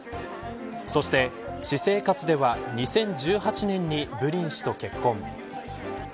そして、私生活では２０１８年にブリン氏と結婚。